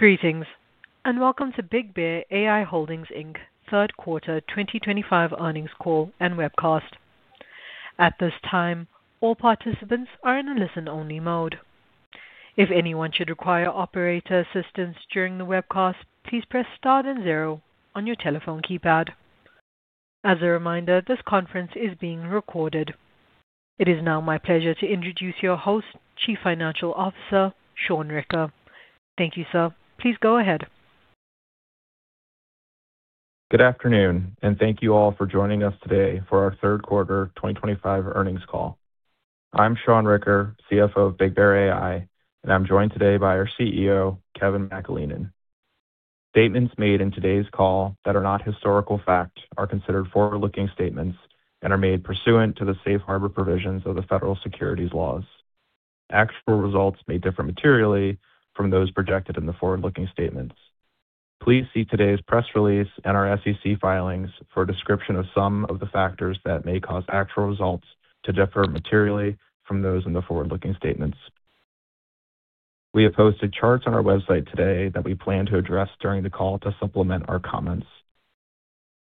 Greetings, and welcome to BigBear.ai Holdings Q3 2025 Earnings Call and Webcast. At this time, all participants are in a listen-only mode. If anyone should require operator assistance during the webcast, please press star then zero on your telephone keypad. As a reminder, this conference is being recorded. It is now my pleasure to introduce your host, Chief Financial Officer, Sean Ricker. Thank you, sir. Please go ahead. Good afternoon, and thank you all for joining us today for our Q3 2025 earnings call. I'm Sean Ricker, CFO of BigBear.ai, and I'm joined today by our CEO, Kevin McAleenan. Statements made in today's call that are not historical fact are considered forward-looking statements and are made pursuant to the safe harbor provisions of the federal securities laws. Actual results may differ materially from those projected in the forward-looking statements. Please see today's press release and our SEC filings for a description of some of the factors that may cause actual results to differ materially from those in the forward-looking statements. We have posted charts on our website today that we plan to address during the call to supplement our comments.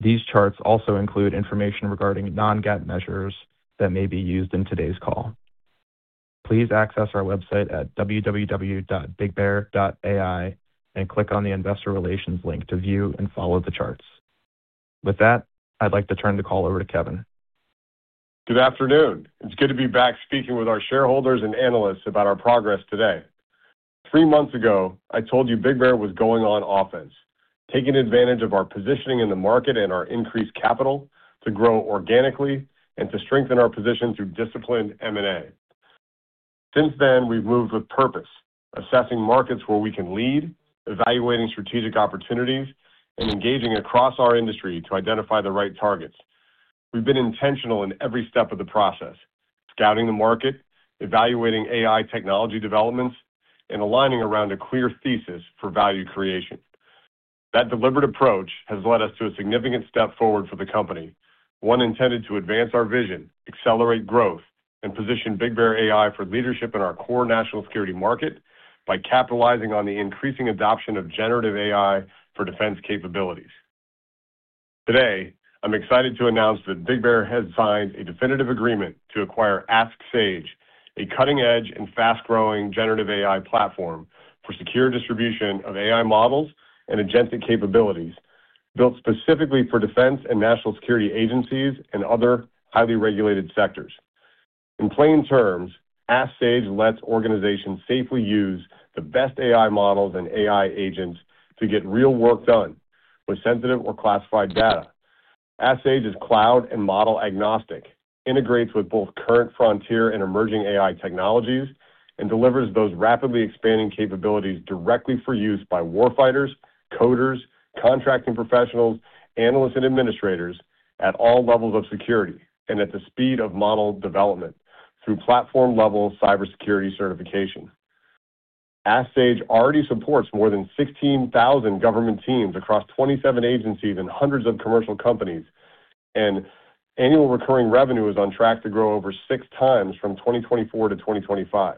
These charts also include information regarding non-GAAP measures that may be used in today's call. Please access our website at www.bigbear.ai and click on the investor relations link to view and follow the charts. With that, I'd like to turn the call over to Kevin. Good afternoon. It's good to be back speaking with our shareholders and analysts about our progress today. Three months ago, I told you BigBear was going on offense, taking advantage of our positioning in the market and our increased capital to grow organically and to strengthen our position through disciplined M&A. Since then, we've moved with purpose, assessing markets where we can lead, evaluating strategic opportunities, and engaging across our industry to identify the right targets. We've been intentional in every step of the process, scouting the market, evaluating AI technology developments, and aligning around a clear thesis for value creation. That deliberate approach has led us to a significant step forward for the company, one intended to advance our vision, accelerate growth, and position BigBear for leadership in our core national security market by capitalizing on the increasing adoption of generative AI for defense capabilities. Today, I'm excited to announce that BigBear has signed a definitive agreement to acquire Ask Sage, a cutting-edge and fast-growing generative AI platform for secure distribution of AI models and agentic capabilities built specifically for defense and national security agencies and other highly regulated sectors. In plain terms, Ask Sage lets organizations safely use the best AI models and AI agents to get real work done with sensitive or classified data. AskSage is cloud and model agnostic, integrates with both current frontier and emerging AI technologies, and delivers those rapidly expanding capabilities directly for use by warfighters, coders, contracting professionals, analysts, and administrators at all levels of security and at the speed of model development through platform-level cybersecurity certification. Ask Sage already supports more than 16,000 government teams across 27 agencies and hundreds of commercial companies, and annual recurring revenue is on track to grow over six times from 2024 to 2025.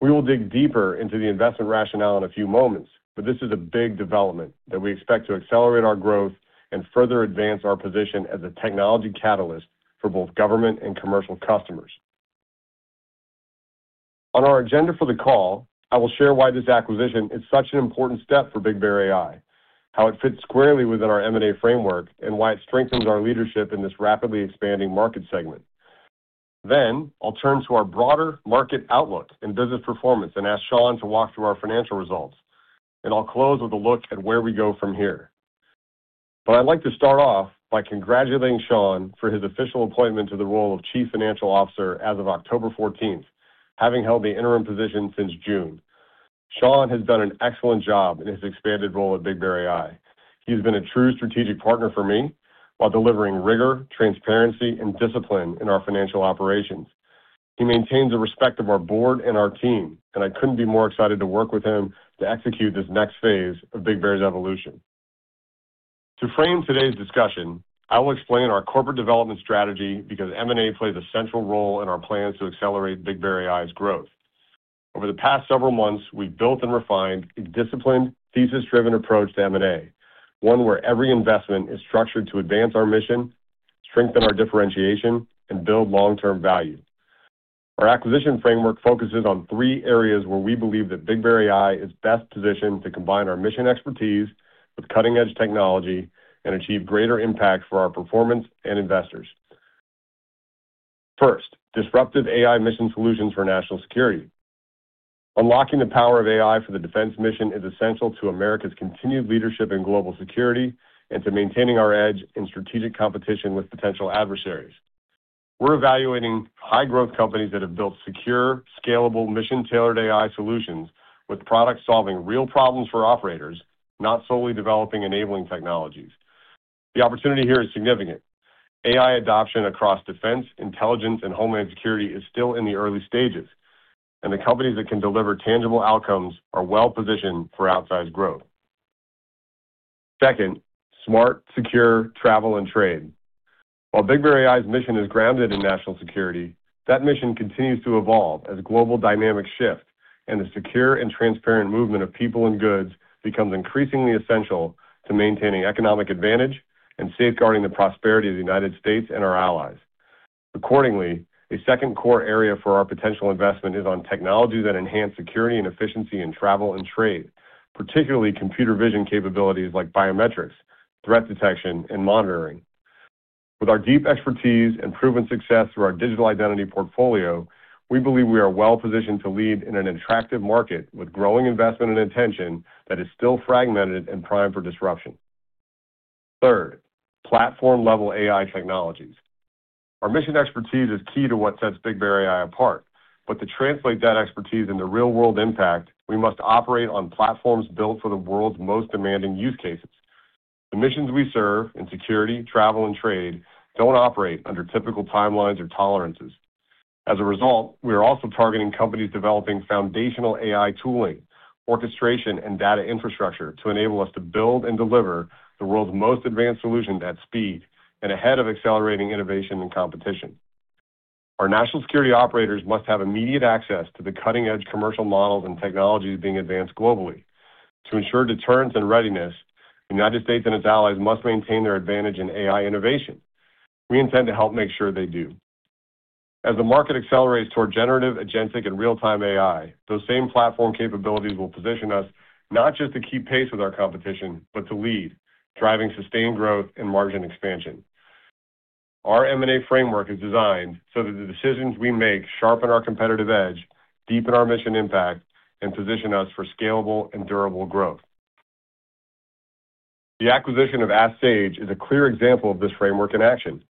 We will dig deeper into the investment rationale in a few moments, but this is a big development that we expect to accelerate our growth and further advance our position as a technology catalyst for both government and commercial customers. On our agenda for the call, I will share why this acquisition is such an important step for BigBear, how it fits squarely within our M&A framework, and why it strengthens our leadership in this rapidly expanding market segment. I will turn to our broader market outlook and business performance and ask Sean to walk through our financial results, and I will close with a look at where we go from here. I would like to start off by congratulating Sean for his official appointment to the role of Chief Financial Officer as of October 14, having held the interim position since June. Sean has done an excellent job in his expanded role at BigBear. He has been a true strategic partner for me while delivering rigor, transparency, and discipline in our financial operations. He maintains the respect of our board and our team, and I could not be more excited to work with him to execute this next phase of BigBear.ai's evolution. To frame today's discussion, I will explain our corporate development strategy because M&A plays a central role in our plans to accelerate BigBear's growth. Over the past several months, we have built and refined a disciplined, thesis-driven approach to M&A, one where every investment is structured to advance our mission, strengthen our differentiation, and build long-term value. Our acquisition framework focuses on three areas where we believe that BigBear is best positioned to combine our mission expertise with cutting-edge technology and achieve greater impact for our performance and investors. First, disruptive AI mission solutions for national security. Unlocking the power of AI for the defense mission is essential to America's continued leadership in global security and to maintaining our edge in strategic competition with potential adversaries. We're evaluating high-growth companies that have built secure, scalable, mission-tailored AI solutions with products solving real problems for operators, not solely developing enabling technologies. The opportunity here is significant. AI adoption across defense, intelligence, and homeland security is still in the early stages, and the companies that can deliver tangible outcomes are well-positioned for outsized growth. Second, smart, secure travel and trade. While BigBear's mission is grounded in national security, that mission continues to evolve as global dynamics shift and the secure and transparent movement of people and goods becomes increasingly essential to maintaining economic advantage and safeguarding the prosperity of the United States and our allies. Accordingly, a second core area for our potential investment is on technology that enhances security and efficiency in travel and trade, particularly computer vision capabilities like biometrics, threat detection, and monitoring. With our deep expertise and proven success through our digital identity portfolio, we believe we are well-positioned to lead in an attractive market with growing investment and attention that is still fragmented and primed for disruption. Third, platform-level AI technologies. Our mission expertise is key to what sets BigBear apart, but to translate that expertise into real-world impact, we must operate on platforms built for the world's most demanding use cases. The missions we serve in security, travel, and trade do not operate under typical timelines or tolerances. As a result, we are also targeting companies developing foundational AI tooling, orchestration, and data infrastructure to enable us to build and deliver the world's most advanced solutions at speed and ahead of accelerating innovation and competition. Our national security operators must have immediate access to the cutting-edge commercial models and technologies being advanced globally. To ensure deterrence and readiness, the United States and its allies must maintain their advantage in AI innovation. We intend to help make sure they do. As the market accelerates toward generative, agentic, and real-time AI, those same platform capabilities will position us not just to keep pace with our competition, but to lead, driving sustained growth and margin expansion. Our M&A framework is designed so that the decisions we make sharpen our competitive edge, deepen our mission impact, and position us for scalable and durable growth. The acquisition of Ask Sage is a clear example of this framework in action.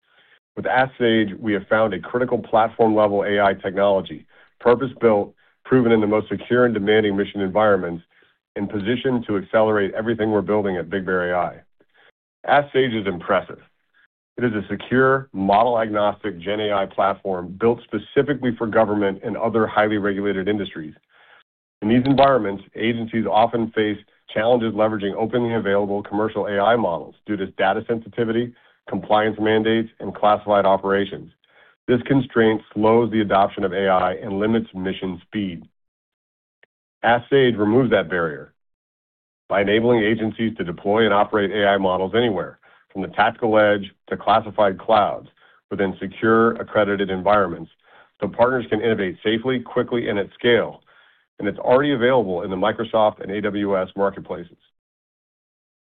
With Ask Sage, we have found a critical platform-level AI technology, purpose-built, proven in the most secure and demanding mission environments, and positioned to accelerate everything we're building at BigBear. Ask Sage is impressive. It is a secure, model-agnostic GenAI platform built specifically for government and other highly regulated industries. In these environments, agencies often face challenges leveraging openly available commercial AI models due to data sensitivity, compliance mandates, and classified operations. This constraint slows the adoption of AI and limits mission speed. Ask Sage removes that barrier by enabling agencies to deploy and operate AI models anywhere, from the tactical edge to classified clouds, within secure, accredited environments, so partners can innovate safely, quickly, and at scale. It is already available in the Microsoft and AWS marketplaces.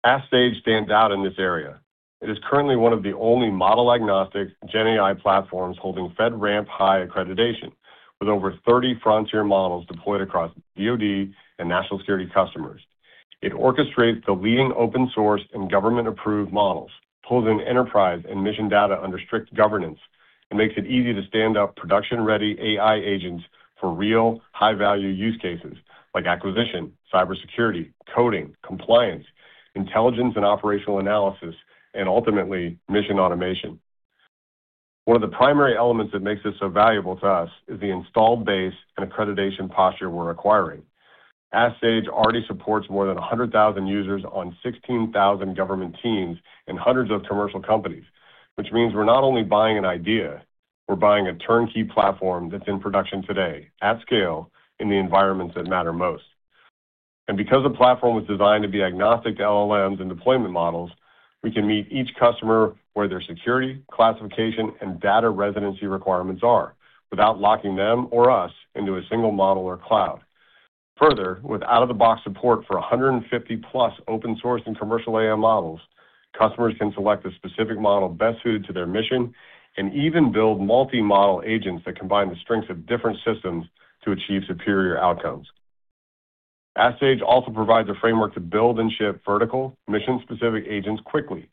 Ask Sage stands out in this area. It is currently one of the only model-agnostic GenAI platforms holding FedRAMP high accreditation, with over 30 frontier models deployed across DOD and national security customers. It orchestrates the leading open-source and government-approved models, pulls in enterprise and mission data under strict governance, and makes it easy to stand up production-ready AI agents for real, high-value use cases like acquisition, cybersecurity, coding, compliance, intelligence and operational analysis, and ultimately, mission automation. One of the primary elements that makes this so valuable to us is the installed base and accreditation posture we're acquiring. Ask Sage already supports more than 100,000 users on 16,000 government teams and hundreds of commercial companies, which means we're not only buying an idea, we're buying a turnkey platform that's in production today, at scale, in the environments that matter most. Because the platform was designed to be agnostic to LLMs and deployment models, we can meet each customer where their security, classification, and data residency requirements are without locking them or us into a single model or cloud. Further, with out-of-the-box support for 150-plus open-source and commercial AI models, customers can select the specific model best suited to their mission and even build multi-model agents that combine the strengths of different systems to achieve superior outcomes. Ask Sage also provides a framework to build and ship vertical, mission-specific agents quickly.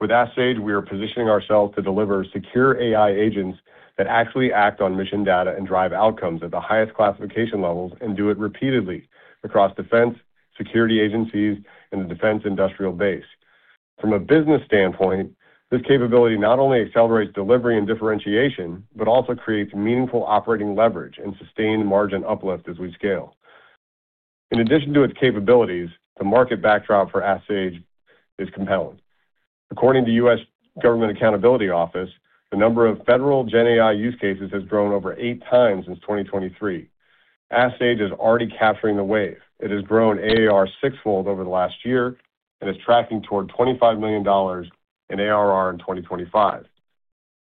With Ask Sage, we are positioning ourselves to deliver secure AI agents that actually act on mission data and drive outcomes at the highest classification levels and do it repeatedly across defense, security agencies, and the defense industrial base. From a business standpoint, this capability not only accelerates delivery and differentiation, but also creates meaningful operating leverage and sustained margin uplift as we scale. In addition to its capabilities, the market backdrop for Ask Sage is compelling. According to the U.S. Government Accountability Office, the number of federal GenAI use cases has grown over eight times since 2023. Ask Sage is already capturing the wave. It has grown ARR sixfold over the last year and is tracking toward $25 million in ARR in 2025.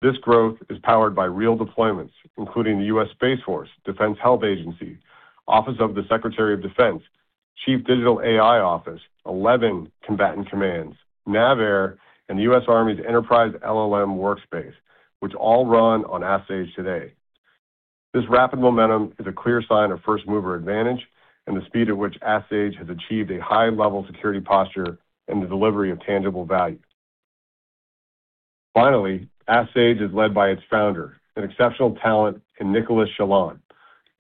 This growth is powered by real deployments, including the U.S. Space Force, Defense Health Agency, Office of the Secretary of Defense, Chief Digital AI Office, 11 combatant commands, NAVAIR, and the U.S. Army's Enterprise LLM workspace, which all run on AskSage today. This rapid momentum is a clear sign of first-mover advantage and the speed at which Ask Sage has achieved a high-level security posture and the delivery of tangible value. Finally, Ask Sage is led by its founder, an exceptional talent in Nicholas Shalan.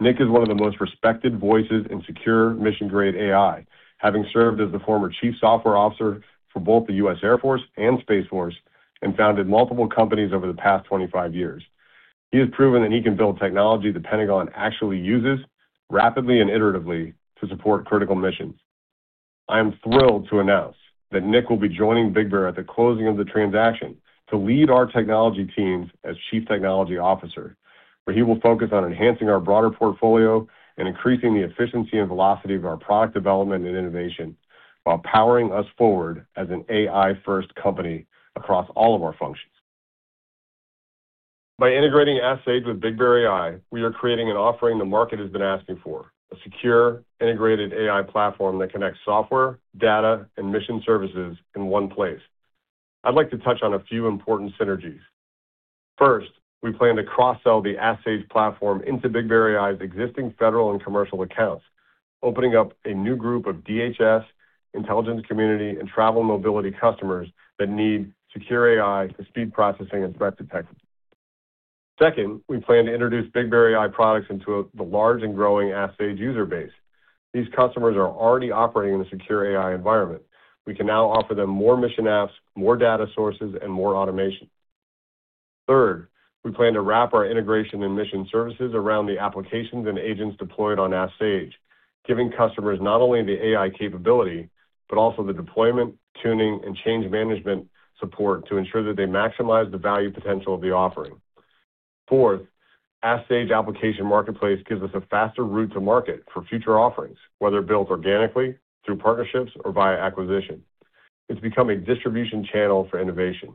Nick is one of the most respected voices in secure mission-grade AI, having served as the former Chief Software Officer for both the U.S. Air Force and Space Force and founded multiple companies over the past 25 years. He has proven that he can build technology the Pentagon actually uses rapidly and iteratively to support critical missions. I am thrilled to announce that Nick will be joining BigBear at the closing of the transaction to lead our technology teams as Chief Technology Officer, where he will focus on enhancing our broader portfolio and increasing the efficiency and velocity of our product development and innovation while powering us forward as an AI-first company across all of our functions. By integrating Ask Sage with BigBear, we are creating an offering the market has been asking for: a secure, integrated AI platform that connects software, data, and mission services in one place. I'd like to touch on a few important synergies. First, we plan to cross-sell the Ask Sage platform into BigBear's existing federal and commercial accounts, opening up a new group of DHS, intelligence community, and travel mobility customers that need secure AI for speed processing and threat detection. Second, we plan to introduce BigBear products into the large and growing Ask Sage user base. These customers are already operating in a secure AI environment. We can now offer them more mission apps, more data sources, and more automation. Third, we plan to wrap our integration and mission services around the applications and agents deployed on Ask Sage, giving customers not only the AI capability, but also the deployment, tuning, and change management support to ensure that they maximize the value potential of the offering. Fourth, Ask Sage application marketplace gives us a faster route to market for future offerings, whether built organically, through partnerships, or via acquisition. It's become a distribution channel for innovation.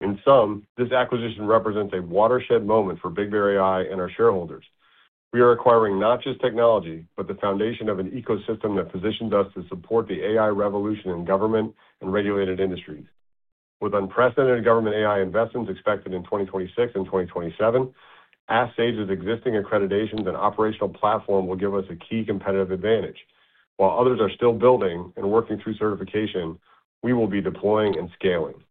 In sum, this acquisition represents a watershed moment for BigBear and our shareholders. We are acquiring not just technology, but the foundation of an ecosystem that positions us to support the AI revolution in government and regulated industries. With unprecedented government AI investments expected in 2026 and 2027, Ask Sage's existing accreditations and operational platform will give us a key competitive advantage. While others are still building and working through certification, we will be deploying and scaling.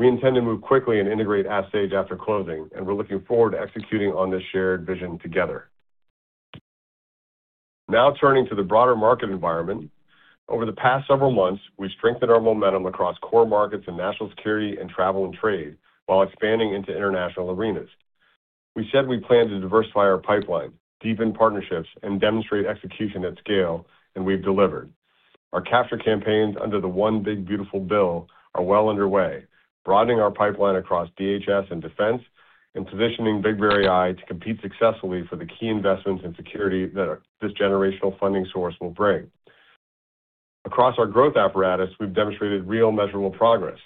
We intend to move quickly and integrate Ask Sage after closing, and we're looking forward to executing on this shared vision together. Now turning to the broader market environment, over the past several months, we've strengthened our momentum across core markets in national security and travel and trade while expanding into international arenas. We said we plan to diversify our pipeline, deepen partnerships, and demonstrate execution at scale, and we've delivered. Our capture campaigns under the One Big Beautiful Bill are well underway, broadening our pipeline across DHS and defense and positioning BigBear.ai to compete successfully for the key investments in security that this generational funding source will bring. Across our growth apparatus, we've demonstrated real measurable progress.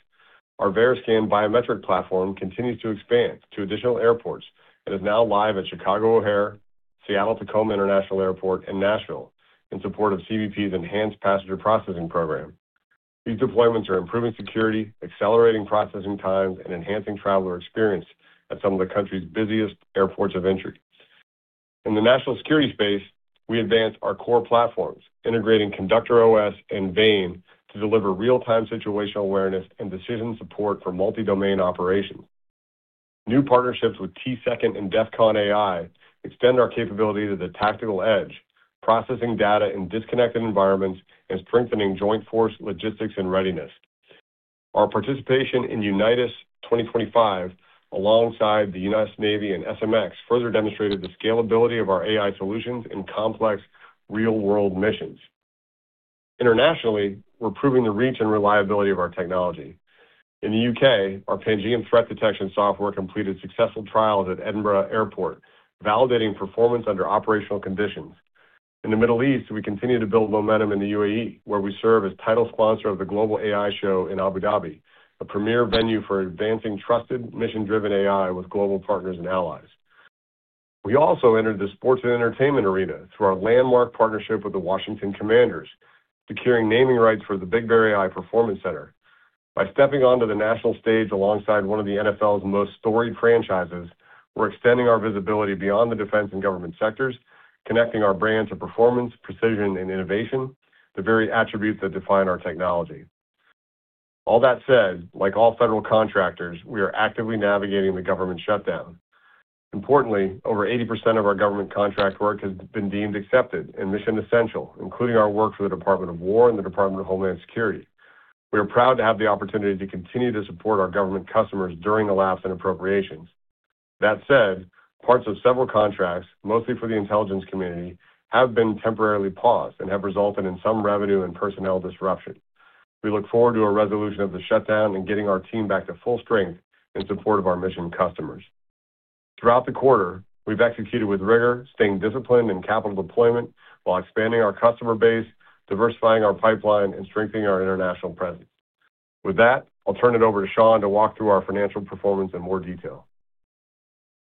Our Veriscan biometric platform continues to expand to additional airports and is now live at Chicago O'Hare, Seattle-Tacoma International Airport, and Nashville in support of CBP's Enhanced Passenger Processing Program. These deployments are improving security, accelerating processing times, and enhancing traveler experience at some of the country's busiest airports of interest. In the national security space, we advance our core platforms, integrating Conductor OS and Vane to deliver real-time situational awareness and decision support for multi-domain operations. New partnerships with TSecond and DEFCON AI extend our capabilities at the tactical edge, processing data in disconnected environments and strengthening joint force logistics and readiness. Our participation in United 2025, alongside the U.S. Navy and SMX, further demonstrated the scalability of our AI solutions in complex real-world missions. Internationally, we're proving the reach and reliability of our technology. In the U.K., our Pangiam threat detection software completed successful trials at Edinburgh Airport, validating performance under operational conditions. In the Middle East, we continue to build momentum in the UAE, where we serve as title sponsor of the Global AI Show in Abu Dhabi, a premier venue for advancing trusted, mission-driven AI with global partners and allies. We also entered the sports and entertainment arena through our landmark partnership with the Washington Commanders, securing naming rights for the BigBear Performance Center. By stepping onto the national stage alongside one of the NFL's most storied franchises, we're extending our visibility beyond the defense and government sectors, connecting our brand to performance, precision, and innovation, the very attributes that define our technology. All that said, like all federal contractors, we are actively navigating the government shutdown. Importantly, over 80% of our government contract work has been deemed accepted and mission essential, including our work for the Department of War and the Department of Homeland Security. We are proud to have the opportunity to continue to support our government customers during the lapse and appropriations. That said, parts of several contracts, mostly for the intelligence community, have been temporarily paused and have resulted in some revenue and personnel disruption. We look forward to a resolution of the shutdown and getting our team back to full strength in support of our mission customers. Throughout the quarter, we've executed with rigor, staying disciplined in capital deployment, while expanding our customer base, diversifying our pipeline, and strengthening our international presence. With that, I'll turn it over to Sean to walk through our financial performance in more detail.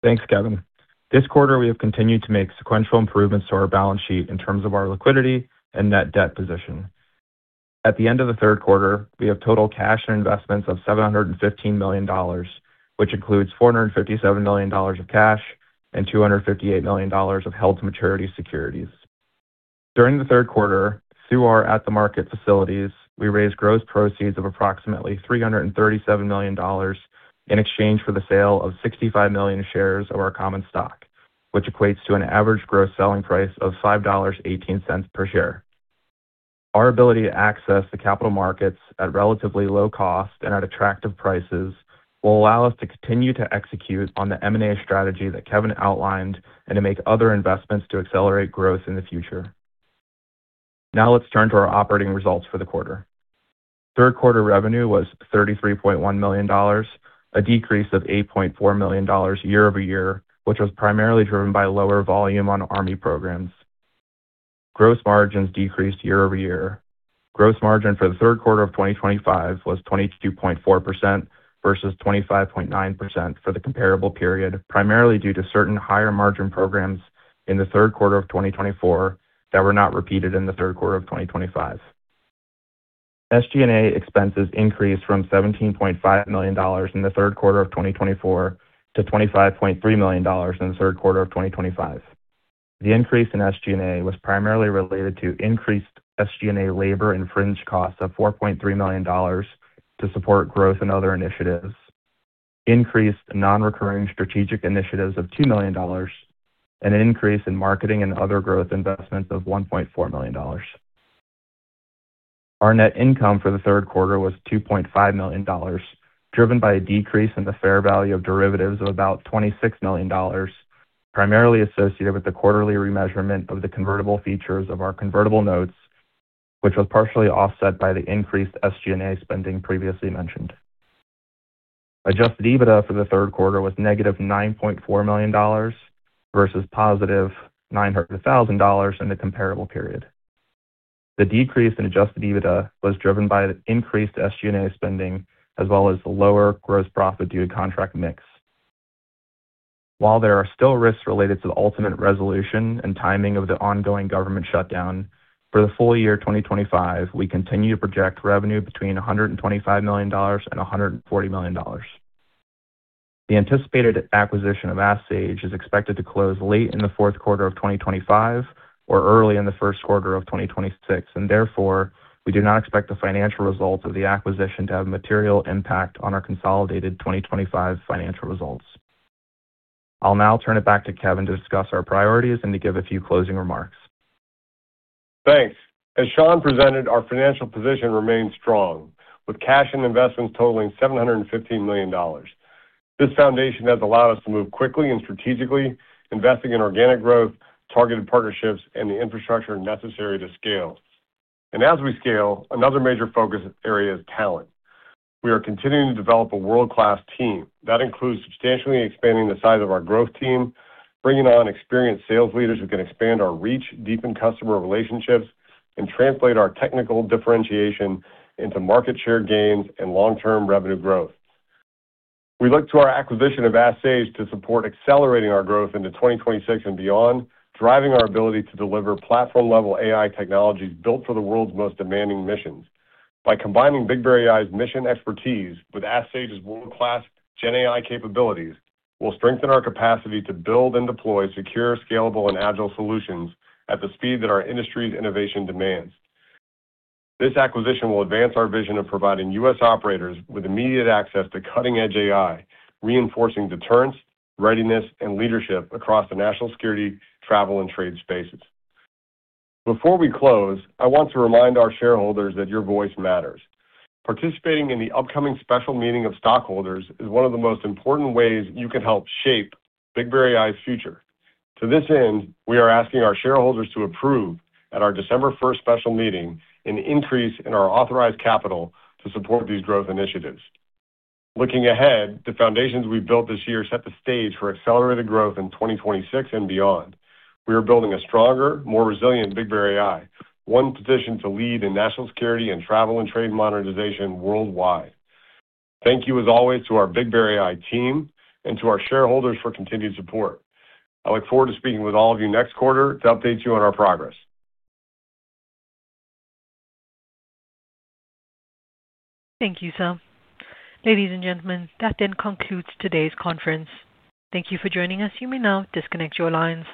Thanks, Kevin. This quarter, we have continued to make sequential improvements to our balance sheet in terms of our liquidity and net debt position. At the end of the third quarter, we have total cash and investments of $715 million, which includes $457 million of cash and $258 million of held maturity securities. During the third quarter, through our at-the-market facilities, we raised gross proceeds of approximately $337 million in exchange for the sale of 65 million shares of our common stock, which equates to an average gross selling price of $5.18 per share. Our ability to access the capital markets at relatively low cost and at attractive prices will allow us to continue to execute on the M&A strategy that Kevin outlined and to make other investments to accelerate growth in the future. Now let's turn to our operating results for the quarter. Third quarter revenue was $33.1 million, a decrease of $8.4 million year over year, which was primarily driven by lower volume on army programs. Gross margins decreased year over year. Gross margin for the third quarter of 2025 was 22.4% versus 25.9% for the comparable period, primarily due to certain higher margin programs in the third quarter of 2024 that were not repeated in the third quarter of 2025. SG&A expenses increased from $17.5 million in the third quarter of 2024 to $25.3 million in the third quarter of 2025. The increase in SG&A was primarily related to increased SG&A labor and fringe costs of $4.3 million to support growth and other initiatives, increased non-recurring strategic initiatives of $2 million, and an increase in marketing and other growth investments of $1.4 million. Our net income for the third quarter was $2.5 million, driven by a decrease in the fair value of derivatives of about $26 million, primarily associated with the quarterly remeasurement of the convertible features of our convertible notes, which was partially offset by the increased SG&A spending previously mentioned. Adjusted EBITDA for the third quarter was negative $9.4 million versus positive $900,000 in the comparable period. The decrease in adjusted EBITDA was driven by increased SG&A spending as well as the lower gross profit due to contract mix. While there are still risks related to the ultimate resolution and timing of the ongoing government shutdown, for the full year 2025, we continue to project revenue between $125 million and $140 million. The anticipated acquisition of Ask Sage is expected to close late in the fourth quarter of 2025 or early in the first quarter of 2026, and therefore, we do not expect the financial results of the acquisition to have material impact on our consolidated 2025 financial results. I'll now turn it back to Kevin to discuss our priorities and to give a few closing remarks. Thanks. As Sean presented, our financial position remains strong, with cash and investments totaling $715 million. This foundation has allowed us to move quickly and strategically, investing in organic growth, targeted partnerships, and the infrastructure necessary to scale. As we scale, another major focus area is talent. We are continuing to develop a world-class team. That includes substantially expanding the size of our growth team, bringing on experienced sales leaders who can expand our reach, deepen customer relationships, and translate our technical differentiation into market share gains and long-term revenue growth. We look to our acquisition of Ask Sage to support accelerating our growth into 2026 and beyond, driving our ability to deliver platform-level AI technologies built for the world's most demanding missions. By combining BigBear's mission expertise with Ask Sage's world-class GenAI capabilities, we'll strengthen our capacity to build and deploy secure, scalable, and agile solutions at the speed that our industry's innovation demands. This acquisition will advance our vision of providing U.S. operators with immediate access to cutting-edge AI, reinforcing deterrence, readiness, and leadership across the national security, travel, and trade spaces. Before we close, I want to remind our shareholders that your voice matters. Participating in the upcoming special meeting of stockholders is one of the most important ways you can help shape BigBear's future. To this end, we are asking our shareholders to approve at our December 1 special meeting an increase in our authorized capital to support these growth initiatives. Looking ahead, the foundations we've built this year set the stage for accelerated growth in 2026 and beyond. We are building a stronger, more resilient BigBear, one positioned to lead in national security and travel and trade modernization worldwide. Thank you, as always, to our BigBear team and to our shareholders for continued support. I look forward to speaking with all of you next quarter to update you on our progress. Thank you, sir. Ladies and gentlemen, that then concludes today's conference. Thank you for joining us. You may now disconnect your lines.